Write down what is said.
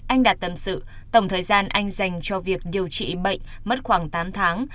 anh đạt tâm sự tổng thời gian anh dành cho việc điều trị bệnh mất khoảng tám tháng